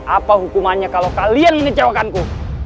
apa hukumannya kalau kalian mengecewakanku